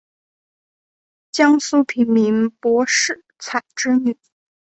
江苏平民柏士彩之女。